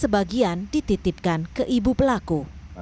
sebagian dititipkan ke ibu pelaku